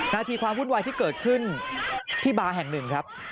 นาทีความวุ่นวายที่เกิดขึ้นที่บาร์แห่งหนึ่งครับ